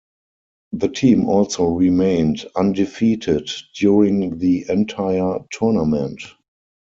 The team also remained undefeated during the entire tournament.